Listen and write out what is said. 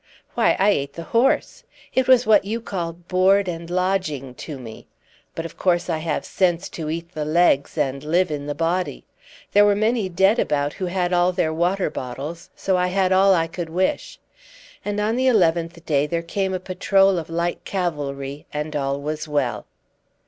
"Why, I ate the horse. It was what you call board and lodging to me. But of course I have sense to eat the legs, and live in the body. There were many dead about who had all their water bottles, so I had all I could wish. And on the eleventh day there came a patrol of light cavalry, and all was well."